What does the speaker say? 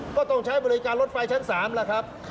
ก็ต้องใช้บริการรถไฟชั้น๓แล้วครับ